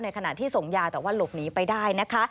ขณะที่ส่งยาแต่ว่าหลบหนีไปได้นะคะ